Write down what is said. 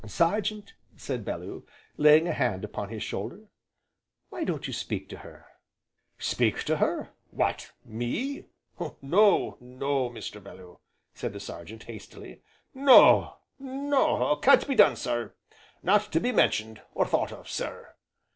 "Sergeant," said Bellew, laying a hand upon his shoulder, "why don't you speak to her?" "Speak to her, what me! No, no, Mr. Bellew!" said the Sergeant, hastily. "No, no, can't be done, sir, not to be mentioned, or thought of, sir!"